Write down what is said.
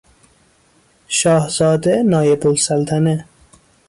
شاهزاده نایبالسلطنه